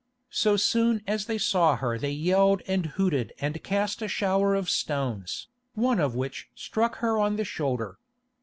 So soon as they saw her they yelled and hooted and cast a shower of stones, one of which struck her on the shoulder.